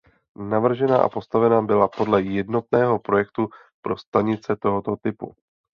Navržena a postavena byla podle jednotného projektu pro stanice tohoto typu.